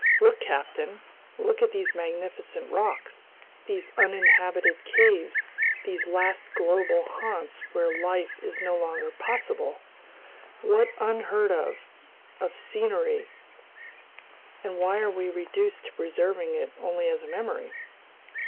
Look, captain! Look at these magnificent rocks, these uninhabited caves, these last global haunts where life is no longer possible! What unheard of scenery, and why are we reduced to preserving it only as a memory?"